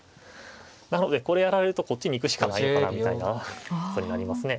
なのでこれやられるとこっちに行くしかないのかなみたいなことになりますね。